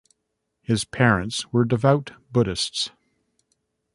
His parents were devout Buddhists.